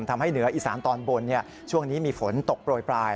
เหนืออีสานตอนบนช่วงนี้มีฝนตกโปรยปลาย